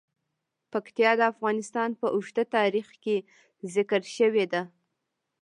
پکتیا د افغانستان په اوږده تاریخ کې ذکر شوی دی.